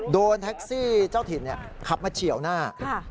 โดนแท็กซี่เจ้าถิ่นขับมาเฉียวหน้า